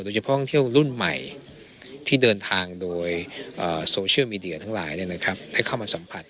โดยเฉพาะท่องเที่ยวรุ่นใหม่ที่เดินทางโดยโซเชียลมีเดียทั้งหลายให้เข้ามาสัมผัส